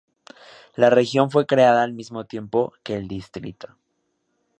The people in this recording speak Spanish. La región fue creada al mismo tiempo que el distrito.